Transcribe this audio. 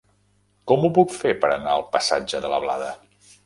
Com ho puc fer per anar al passatge de la Blada?